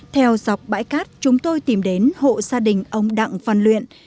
theo dọc bãi cát chúng tôi tìm đến hộ gia đình ông đặng văn luyện